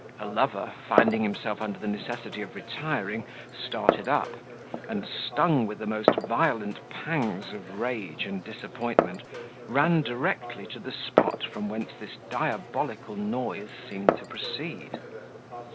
Her lover, finding himself under the necessity of retiring, started up, and, stung with the most violent pangs of rage and disappointment, ran directly to the spot from whence this diabolical noise seemed to proceed.